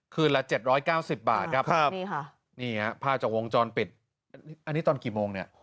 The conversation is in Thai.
ละ๗๙๐บาทครับนี่ฮะภาพจากวงจรปิดอันนี้ตอนกี่โมงเนี่ย